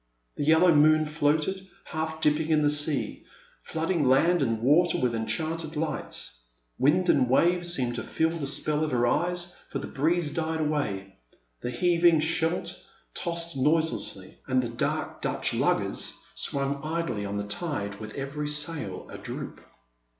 The yellow moon floated, half dipping in the sea, flooding land and water with enchanted lights. Wind and wave seemed to feel the spell of her eyes, for the breeze died away, the heaving Scheldt tossed noiselessly, and the dark Dutch luggers swung idly on the tide with every sail adroop.